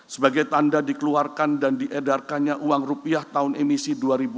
sebagai tanda dikeluarkan dan diedarkannya uang rupiah tahun emisi dua ribu dua puluh